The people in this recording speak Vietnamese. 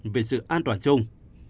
vì sự an toàn chung